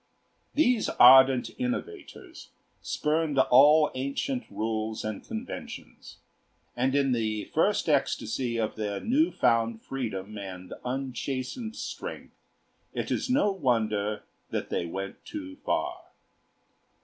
These ardent innovators spurned all ancient rules and conventions, and in the first ecstasy of their new found freedom and unchastened strength it is no wonder that they went too far.